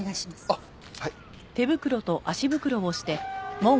あっはい。